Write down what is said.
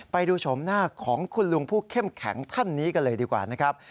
ไปดูชมหน้าของคุณลุงผู้เข้มแข็งท่านนี้กันเลยดีกว่านะครับ